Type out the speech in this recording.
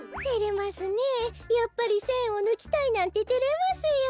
やっぱりせんをぬきたいなんててれますよ。